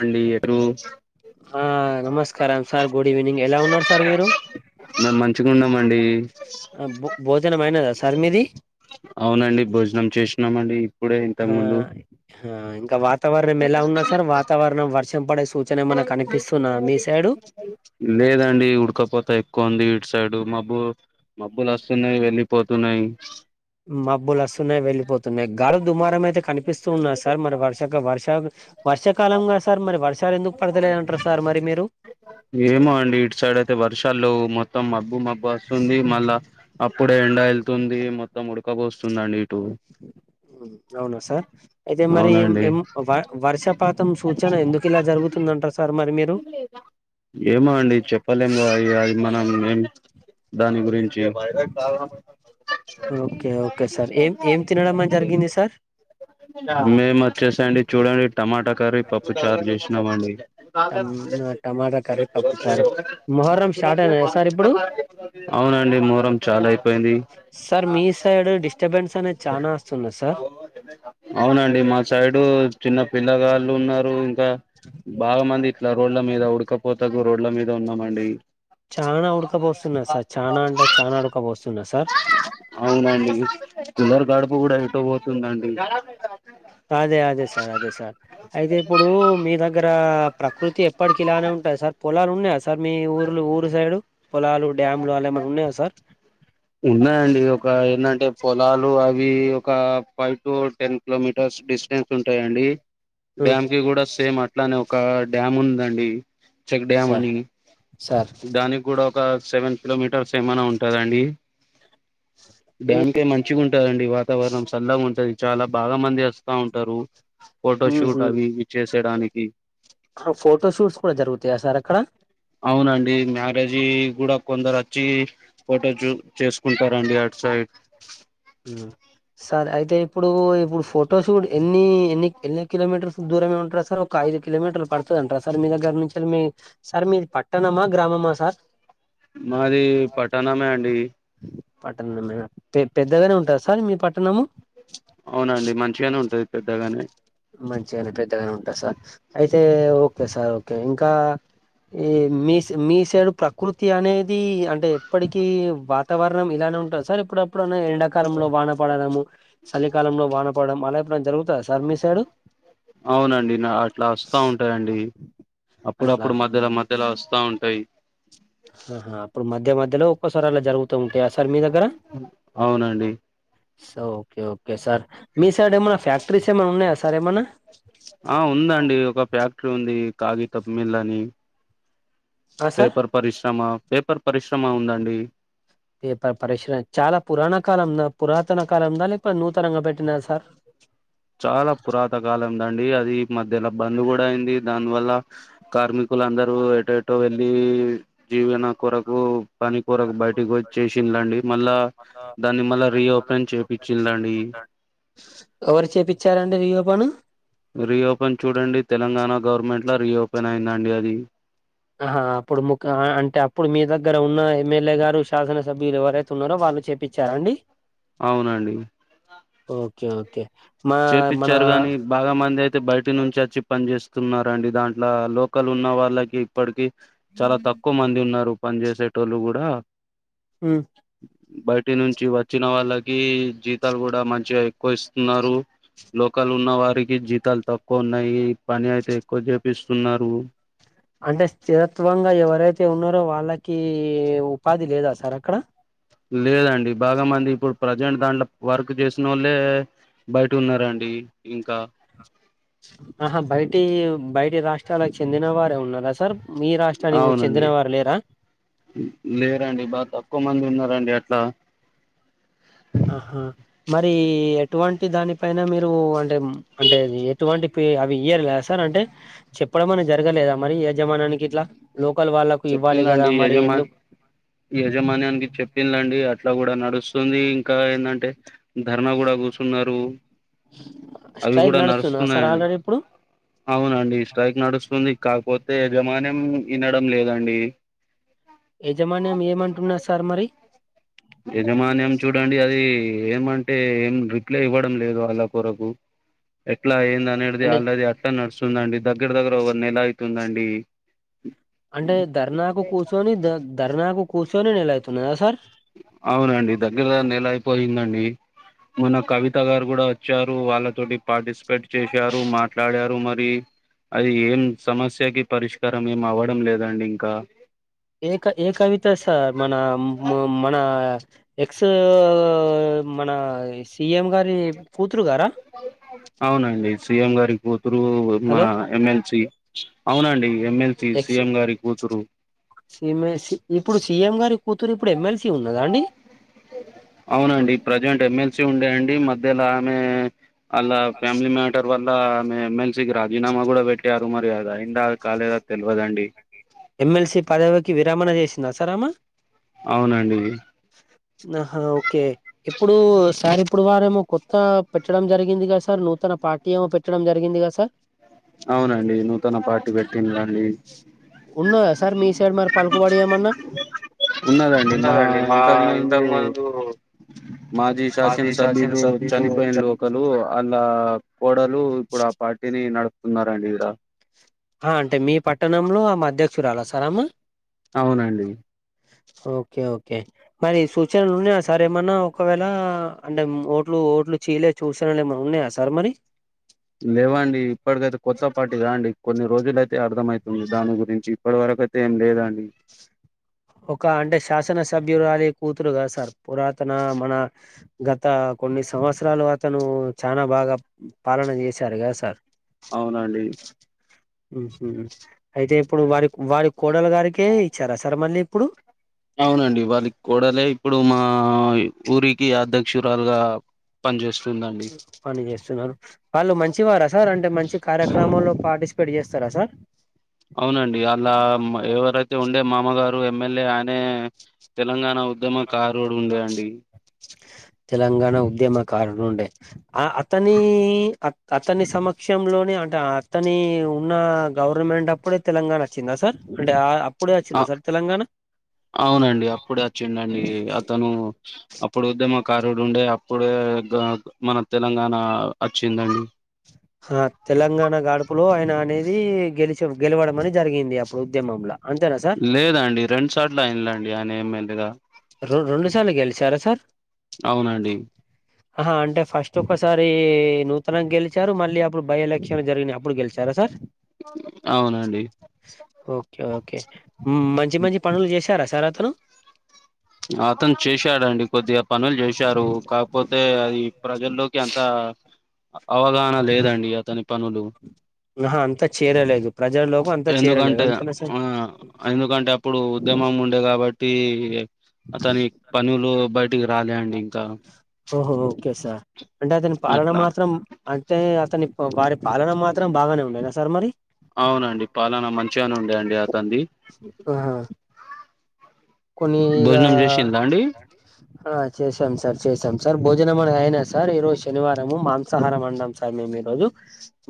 అండి ఎరు ఆ నమస్కారం సార్ గుడ్ ఈవనింగ్ ఎలా ఉన్నారు సార్ మీరు అండి ఆ భో భోజనం అయినదా సర్ మీది ం చేషినమండి ఆ ఇంకా వాతావరణం ఎలా ఉన్నాద్ సార్ వాతావరణం వర్ సైడు లేదండి ఉడకపోతా ఎక్కువ ఉంది ఇటు సైడు మబ్బు మబ్బులు వస్తున్నాయి వెళ్లిిపోతున్నాయి మబ్బులు వస్తున్నాయి వెళ్ళలిపోతున్నాయి గాలీ దుమారం అయితే కనిపిస్తూన్నాయ సార్ మరి వర్షక్ వర్ష వర్షాకాలంగా సార్ మరి వర్షాలు ఎందుకు పడతలేదంటారు సార్ మరి మీరు ఏమో అండి ఇటు సైడ్ అయితే వర్షాళ్ళేవ్ మొత్తం మబ్బు మబ్ బస్తుంది మళ్ళా అప్పుడే ఎండ వెళ్తుంది మొత్తం ఉడకపోస్తుందండి ఇటూ అవున సార్ అయితే మరి అవునండి ఎం వ్ వర్షపాతం సూచన ఎందుకు ఇలా జరుగుతుందంటారు సార్ మరి మీరు ఏమో అండి చెప్పలేము గ ఇగ అవి మనం ఏం దాని గురిం చి ఓకే ఓకే సార్ ఏం ఏం తినడం అని జరిగింది సార్ మేము వచ్చేసాండి చూడండి టమాటా కర్రీ పప్పు చారు చేసినామండి ఆ టమ్ టమాటా కర్రీ పప్పుచారు మొహర్రం స్టార్ట్ అయినదా సార్ ఇప్పుడు అవునండి మోహరం చాలా అయిపోయింది సార్ మీ సైడ్ డిస్టర్బెన్స్ అనేది చాలా వస్తుంది సార్ అవునండి మా సైడు చిన్న పిల్లగాళ్ళు ఉన్నారు ఇంకా బాగా మంది ఇట్లా రోడ్ల మీద ఉడకపోత టకు గరోడ్ల మీద ఉన్నామండి చానా ఉడకబోస్తున్నాది సార్ చానా అంటే చానా ఉడకబోస్తున్నాది అవునండి కులర్ గడుపు కూడా ఎటో పోతుందండి అదే అదే సార్ అదే సార్ అయితే ఇప్పుడు మీ దగ్గర ప్రకృతి ఎప్పటికి ఇలానే ఉంటాద సార్ పొలాలు ఉన్నాయా సార్ మీ ఊర్లో ఊరు సైడు పొలాలు డ్యామ్లు అలా ఏమనా ఉన్నాయా సార్ ఉన్నాయండి ఒక ఏందంటే పొలాలు అవి ఒక five to ten kilometres distance ఉంటాయండి డ్యామ్కి కూడా సేమ్ అట్లానే ఒక డ్యామ్ ఉందండి చెక్ డ్యామ్ సార్ అని సార్ దానికి కూడా ఒక సెవెన్ కిలోమీటర్స్ ఏమైనా ఉంటుంద అండి డ్యామ్కే మంచిగా ఉంటందండి వాతావరణం చల్లగా ఉంటుంది చాలా బాగా మంది వస్తా ఉంటారు ఫోటోషూట్ అవి ఇవి చేసేడానికి ఆ ఫోటో షూట్స్ కూడా జరుగుతాయా సార్ అక్కడ అవునండి మ్యారేజీ కూడా కొందరు వచ్చి ఫోటో షాట్ చేసుకుంటారండి అట్ సైడ్ ఉ సార్ అయితే ఇప్పుడు ఇప్పుడు ఫోటోషూట్ ఎన్ని ఎన్ని ఎన్ని కిలోమీటర్స్ దూరమే ఉంటారు సార్ ఒక ఐదు కిలోమీటర్లు పడుతుదంటార సార్ మీ దగ్గర నుంచి మీ సార్ మీది పట్టణమా గ్రామమా సార్ మాది పట్టణమే అండి పట్టణమే పెద్దగానే ఉంటాదా సార్ మీ పట్టణము అవునండి మంచిగానే ఉంటది పెద్దగానే మంచిగాని పెద్దగానే ఉంటాంది సార్ అయితే ఓకే సార్ ఓకే ఇంకా ఏ మీ మీ సైడ్ ప్రకృతి అనేది అంటే ఎప్పటికి వాతావరణం ఇలాం ఉంటదా సార్ ఇప్పుడ ఎప్పుడన్నా ఎండాకాలంలో వాన పడడము చలికాలంలో వానపడడం అలా ఎప్పుడన జరుగు సార్మిస్ అవునండి నా అట్లా వస్తా ఉంటాయంండి అట్లా అప్పుడప్పుడు అట్లా మధ్యలో మధ్యలో వస్తా ఉంటాయి ఆహా అప్పుడు మధ్య మధ్యలో ఒక్కోసారి అలా జరుగుతూ ఉంటుంది అవునండి ఓకే ఓకే సార్ మీ సైడ్ ఏమైనా ఫ్యాక్టరీస్ ఏమైన్నా ఉన్నాయా సార్ ఏమైనా ఆ ఉందండి ఒక ఫ్యాక్టరీ ఉంది కాగితమిల్లని ఆ సార్ పేపర్ పరిశ్రమ పేపర్ పరిశ్రమ ఉందండి పేపర్ పరీష చాలా పురానా కాలందా పురాతన కాలందా లేకపో నూతనంగా పెట్టిన సార్ చాలా పురాతకాలందండి అది ఇ మధ్యలో బంద్ కూడా అయింది దానివల్ల కార్మికులు అందరూ ఎటో ఎటో వెళ్లి జీవన కొరకు పని కొరకు బయటకి వచ్చ చేసిన్రండి మళ్ళా దాన్ని మళ్ళ రీఓపెన్ చేపి చిన్రండి ఓ చ్చారండి రిఓపెను రీఓపెన్ చూడండి తెలంగాణ గవర్నమెంట్లో రీఓపెన్ అయిందండి అది ఆహా అప్పుడు ముక అంటే అప్పుడు మీ దగ్గర ఉన్న ఎమ్మెల్యే గారు శాసన సభ్యులు ఎవరైతే ఉన్నారో వాళ చేపిచ్చారండి అవునండి ఓకే ఓకే మా మన చేపిచ్చారు గాని బాగా మంది అయితే తే బయటి నుంచి వచ్చి పని చేేస్తున్నరండి దాంట్లో లోకల్ ఉన్న వాళ్ళకి ఇప్పటికి చాలా తక్కువ మంది ఉన్నారు పని చేేసేటోళ్ళు కూడా హ బయటి నుంచి వచ్చిన వాళ్ళకి జీతాలు కూడా మంచిగా ఎక్కువ ఇస్తున్నారు లోకల్ ఉన్న వారికి జీతాలు తక్కువ ఉన్నాయి పని అయితే ఎక్కువ చేపిస్తున్నారు అంటే స్థిరత్వంగా ఎవరైతే ఉన్నారో వాళ్ళకి ఉపాధి లేదా సార్ అక్కడ లేదండి బాగా మంది ఇప్పుడు ప్రజెంట్ దాంట్లో వర్క్ చేసినోళ్లే బైటున్నారండి ఇంకా ఆహా బయటి బయటి రాష్ట్రాలకు చెందిన వారు న్నారా సార్ మీ రాష్ట్రానికి చెందిన అవునండి వారు లేరా లేరండి బా తక్కువ మంది ఉన్నారండి అట్లా ఆహా మరి ఎటువంటి దానిపైన మీరు అంటే అంటే ఎటువంటి అ ఇయర సార్ అంటే చెప్పడం అని జరగలేదా మరి జమానానికిట్ల లో చెప్పిందిండి యజమాన్ యజమాన్యానికి చెప్పిందిండి అట్లా కూడా నడుస్తుంది ఇంకా ఏంటంటే ధర్నా కూడా కూర్చున్నారు అవి స్ట్రైక్ కూడా నడుస్తున్నా సార్ నడుస్తున్నాయండి ఆల్రెడీ ఇప్పుడు అవునండి స్ట్రైక్ నడుస్తుంది కాకపోతే యాజమాన్యం వినడం లేదండి యజమాన్యం ఏమంటున్నారు సార్ మరి యజమాన్యం చూడండి అది ఏమంటే ఏం రిప్లై ఇవ్వడం లేదు అలా కొరకు ఎట్లా అనేది అంటే ఆల్రెడీ అట్టా నడుస్తుందండి దగ్గర దగ్గర ఒక నెల అవుతుందండి అంటే ధర్నాకు కూర్చొని ధర్నాకు కూర్చొని నలవుతున్నాదా సార్ అవునండి దగ్గర నెల అయిపోయిందండి మొన్న కవిత గారు కూడా వచ్చారు వాళ్ళతోటి పార్టిసిపేట్ చేశారు మాట్లాడారు మరి అది ఏం సమస్యకి పరిష్కారం ఏం అవ్వడం లేదండి ఇంకా ఏ ఏ కవిత సార్ మన ఉ మన ఎక్స్ మన సిఎం గారి కూతురు గారా అవునండి సీఎం గారి కూతురు హలో మన ఎమ్మెల్సి అవునండి ఎమ్మెల్సీ ఎక్స్ సిఎం గారి కూతురు సీఎం సి ఇప్పుడు సీఎం గారి కూతురు ఇప్పుడు ఎమ్మెల్సీ ఉన్నదా అండి అవునండి ప్రజెంట్ ఎమ్మెల్ సి ఉండేయండి మధ్యలో ఆమె అలా ఫ్యామిలీ మ్యాటర్ వల్ల ఎం ఎమ్మెల్స్ కి రాజీనామా కూడా పెట్టరు మరియాద అంద కాలేద త తెల్వదండి ఎమ్మెల్సీ పదవికి విరామణ చేసిందా సార్ అమా అవునండి ఆహా ఓకే ఇప్పుడు సారి ఇప్పుడు వారేమో కొత్త పెట్టడం జరిగిందిగా సార్ నూతన పార్టీ ఏమో పెట్టడం జరిగిందిగా సార్ అవునండి నూతన పార్టీ పెట్టిరెండి ఉన్నదా సార్ మీ సైడ్ మరి పలుకుబడియమన్నా ఉన్నదండి మా ఇంతకు ముందు మాజీ శాసన సభ్యులు చనిపోయిన లోకలు అలా కోడలు ఇప్పుడు ఆ పార్టీని నడుపుతున్నారంండి ఇక్కడ ఆ అంటే మీ పట్టణంలో ఆమె అధ్యక్షురాలా సార్ అమా అవునండి ఓకే ఓకే మరి సూచనలున్నా ఆ సార్ ఏమన్నా ఒకవేళ అంటే ఓట్లు ఓట్లు చీయలే చూసా లేమ ఉన్నాయా సార్ మరి లేవండి ఇప్పటికైతే కొత్త పార్టీగ అండి కొన్ని రోజుల అయితే అర్థమవుతుంది దాని గురించి ఇప్పటి వరకయితే ఒక అంటే శాసనసభ్యురాలి కూతురుగా సార్ పురాతన మన గత కొన్ని సంవత్సరాలు అతను చానా బాగా బాగా పాలన చేశారు కద సార్ అవునండి మ్ హు అయితే ఇప్పుడు వారి వారి కోడలు గారికే ఇచ్చారా సార్ మళ్ళీ ఇప్పుడు అవునండి వాళ్ళకి కో డలే ఇప్పుడు మా ఆ ఊరికి అధ్యక్షురాలుగా పనిచేస్ పని చేస్తున్నార వాళ్ళు మంచివారా సార్ అంటే మంచి కార్యక్రమంలో పార్టిసిపేట్ చేస్ స్తారా సార్ అవునండి అలా ఎవరైతే ఉండే మామగారు ఎమ్మెల్యే ఆయన టే తెలంగాణ ఉద్యమ కారుడు ఉండే అండి తెలంగాణ ఉద్యమకారుడుండే ఆ అతని అతని సమక్ష క్షంలోనే అంటే అతని ఉన్న గవర్నమెంట్ అప్పుడే తెలంగాణ వచ్చిందా సార్ అంటే ఆ అప్ ఆ అవునండి అప్పుడే వచ్చిడండి అతను అప్పుడు ఉద్యమ కారుడు ఉండే అప్పుడే మన తెలంగాణ వచ్చిందండి ఆ తెలంగాణ గడుపులో ఆయన అనేది గెలిచి గెలవడం అనే జరిగింది అప్ ఉద్యమంలా లేదండి రెండు సార్ల అఇండ్లండి ఆయన ఎమ్మెల్యేగా ర్ రెండు సార్ల గెలిచారా సార్ డి ఆహా అంటే ఫస్ట్ ఒకసారి నూతనంగా గెలిచారు మళ్ళీ అప్పుడు బై ఎలక్షన్ జరిగినయ్ అప్పుడు గెలిచార సార్ అవునండి ఓకే మంచి మంచి పనులు చేశారా సార్ అతను అతను చేశాడండి కొద్దిగా పనులు చేశారు కాకపోతే అది ప్రజల్లోకి అంత అవగాహన లేదండి అతని పనులు ఆహా అంతా చేరలేదు ప్రజల్లోకి అంతా చేరలేదు ఎందుకంటే అంతేనా సార్ ఆ ఎందుకంటే అప్పుడు ఉద్యమం ఉండే కాబట్టి అతని పనులు బయటి ఓహో ఓకే సార్ అంటే అతని పాలన అట్లా. మాత్రం అంటే అతని వారి పాలన మాత్రం బాగానే ఉండేనా సార్ మరి అవునండి పాలనా మంచిగానే ఉండయండి అతంది కొన్నిగా అండి చేశాం సార్ చేసాం సార్ భోజనం అయినా సార్ ఈ రోజు శనివారము మాంసాహారం వండం సార్ మేము ఈ రోజు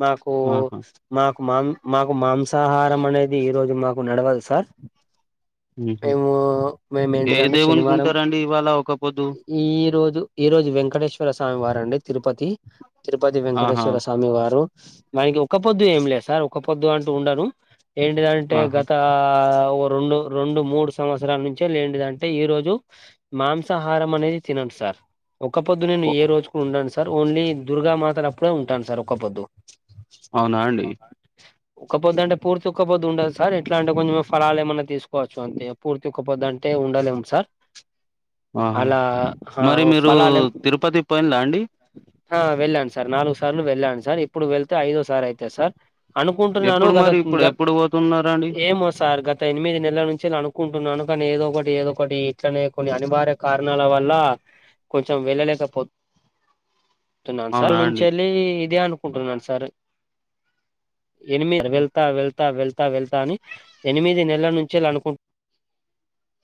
మాకు ఆహా మా మాం మాకు మాంసాహారం అనేది ఈ రోజు మాకు నడవదు సార్ మ్ హు మేము మేము ఏంటిదంతే శనివారం ఒక పొద్దు ఈ రోజు ఈ రోజు వెంకటే ేశ్వర స్వామి వారండి తిరుపతి తిరుపతి ఆహా వెంకటేశ్వర స్వామి వారు మనకి ఒక పొద్దు ఏం లేదు సార్ ఒక పొద్దు అంటూ ఉండను ఏంటిదంటే ఆహా గత ఒక రేండు రెండు మూడు సంవ్ స్తరా ల నుంచేలేంటిదంటే ఈ రోజు మాంసాహారం అనేది తినం సార్ ఒకక్క పొద్దు నేను ఓ ఏ రోజు కూడా ఉండను సార్ ఓన్లీ దుర్గామాతలప్పుడే ఉంటాను సార్ ఒక పొద్దు అవునా అండి ఒక్కపోద్ అంటే పూర్తి ఒక్కపోద్ ఉండను సార్ ఎట్లా అంటే కొంచెం ఫలాలు ఏమైన్నా తీసుకోవచ్చు అంతే పూర్తి ఒక్కపొద్దు అంటే ఉండలేం సార్ ఆహా అలా హా మరి మీరు ఫలాలేం తిరుపతి పోయిన్లా అండి హ వెళ్ళాను సార్ నాలుగు సార్లు వెళ్ళాను సార్ ఇప్పుడు వెళ్తే ఐదో సారి అయితది సార్ అనుకుంటున్నాను ఎప్పుడు గత మరి ఇప్పుడు గ ఎప్పుడు పోతున్నారండి ఏమో సార్ గత ఎనిమిది నెలల నుంచి అనుకు అనుకని ఏదో ఒకటి ఏదో ఒకటి ఇట్లనే కొన్ని అనివార్య కారణాల వల్ల కొంచెం వెళ్ళలేకపో నాను సార్ అవునా నుంచి అండి వెళ్ళి ఇదే అనుకుంటున్నాను సార్ ఎనిమి వెళ్తా వెళ్తా వెళ్తా వెళ్తా అని ఎనిమిది నెలల నుంచేల్ అనుకుం అ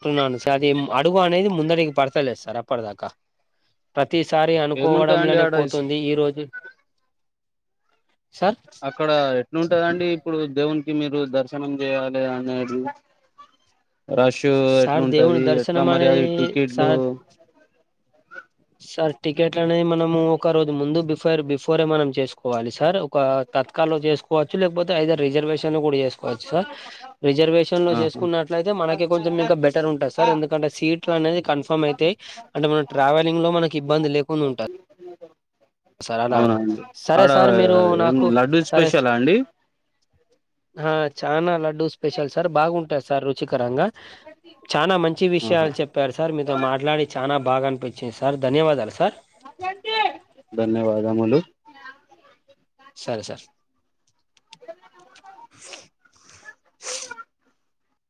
అంటున్నాను సార్ ఇ అడుగు అనేది ముందడికి పడతలేదు సార్ అప్పటిదాకా ప్ర ప్రతిసారి ఏముంటదండి అనుకోవడంలోనే ఆడ ఇస్ పోతుంది ఈ రోజు సార్ అక్కడ ఎట్లు ఉంటదండి ఇప్పుడు దేవునికి మీరు దర్శనం చేయాలి అనేది రష్ సార్ దేవుని ఎట్లుంటది ఎట్లా దర్శనం మర్యాది అనేది టికెట్లు సార్ సార్ టికెట్లు అనేది మనము ఒక రోజు ముందు బిఫైర్ బీఫ్ కోరే మనం చేసుకోవాలి సార్ ఒక తత్కల్ లో చేసుకోవచ్చు లేకపోతే ఐదర్ రిజర్వేషన్ కూడా చేసుకోవచ్చు సార్ రిజర్వేషన్ లో ఆహా చేసుకున్నట్లయితే మనకె కొంచెం ఇంకా బెటర్ ఉంటది సార్ ఎందుకంటే సీట్ ట్ల అనేది కన్ఫర్మ్ అయితాయి అంటే మన ట్రావెలింగ్ లో మనకి ఇబ్బంది లేకుండా ఉంట సార్ అలా అవునా అండి సరే ఆడ సార్ మీరు ఏం నాకు లడ్డూ సరే స స్పెషలా అండి ఆ చనా లడ్డూ స్పెషల్ సార్ బాగుంటాయి సార్ రుచికరంగా చానా మంచి ఆహా విషయాలు చెప్పారు సార్ మీతో మాట్లాడి చానా బాగా అనిపించింది సార్ ధన్యవాదాలు సార్ ధన్యవాదములు సరే సార్